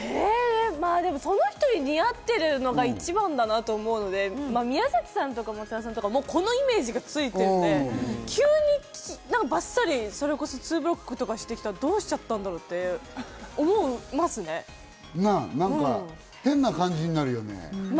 その人に似合っているのが一番だなと思うので、宮崎さんや松田さんはこのイメージがついているので、急にバッサリ、ツーブロックとかしてきたらどうしちゃったんだろ変な感じになるよね。